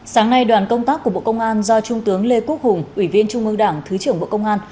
sáng nay đoàn công tác của bộ công an do trung tướng lê quốc hùng ủy viên trung ương đảng thứ trưởng bộ công an